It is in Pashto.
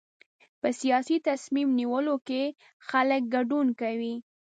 په سیاسي تصمیم نیولو کې خلک ګډون کوي.